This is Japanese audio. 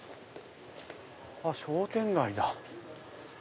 商店街だ。